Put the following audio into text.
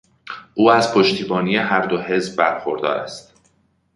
او از پشتیبانی هر دو حزب برخوردار است.